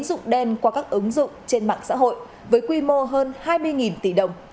đường dây tiền đã được tổ chức bằng kính dụng đen qua các ứng dụng trên mạng xã hội với quy mô hơn hai mươi tỷ đồng